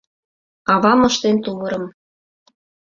Авам ыштен тувырым